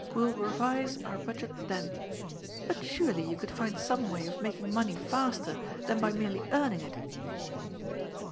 We will revise our budget then. But surely you could find some way of making money faster than by merely earning it